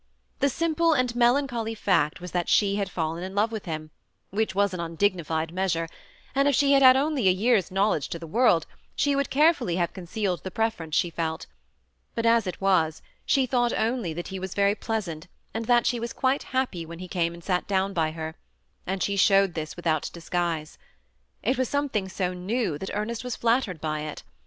The simple and melancholy fact was, that she had fallen in love with him, which was an undignified measure ; and if she had had only a year's knowledge of the world, she would carefully have concealed the pref erence she felt ; but as it was, she thought only that he was very pleasant, and that she was quite happy when he came and sat down by her; and she showed this without disguise. It was something so new, that Er nest was flattered by it.